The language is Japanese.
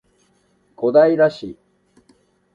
小平市